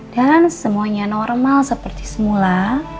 dan semuanya normal seperti semula